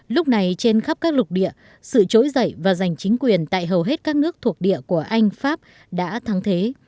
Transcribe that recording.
lúc này trên khắp các lục địa sự trỗi dậy và giành chính quyền tại hầu hết các nước thuộc địa của anh pháp đã thắng thế